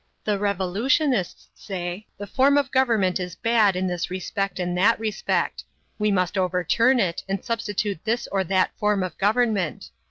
The revolutionists say: The form of government is bad in this respect and that respect; we must overturn it and substitute this or that form of government.